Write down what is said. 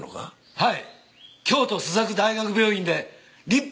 はい。